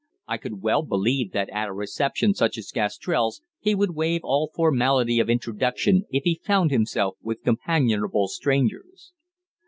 I could well believe that at a reception such as Gastrell's he would waive all formality of introduction if he found himself with companionable strangers.